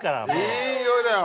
いい匂いだよ！